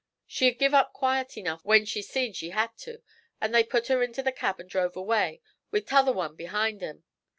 She had give up quiet enough when she seen she had to; an' they put her into the cab an' drove away, with t'other one behind 'em.